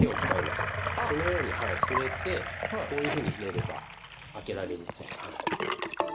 このように添えてこういうふうにひねれば開けられるという。